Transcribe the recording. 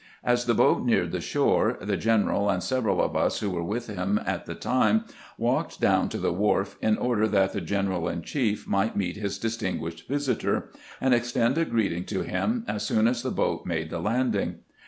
As the boat neared the shore, the general and several of us who were with him at the time walked down to the wharf, in order that the general in chief might meet his distinguished visitor and extend a greeting to him as soon as the boat made the landing.